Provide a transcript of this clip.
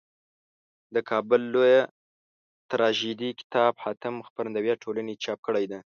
دکابل لویه تراژیدي کتاب حاتم خپرندویه ټولني چاپ کړیده.